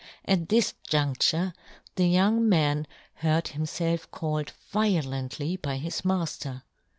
At this jundlure the young man heard himfelf called violently by his mafter.